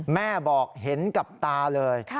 แม่บอกเห็นกับตาเลย